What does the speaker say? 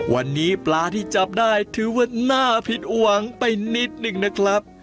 วันนี้ปลาที่จับได้ถือว่าน่าผิดหวังไปนิดนึงนะครับ